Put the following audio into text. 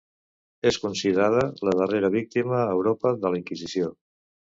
És considerada la darrera víctima a Europa de la Inquisició.